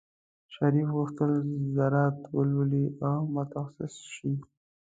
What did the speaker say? شریف غوښتل زراعت ولولي او متخصص شي.